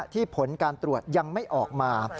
ผลการตรวจยังไม่ออกมา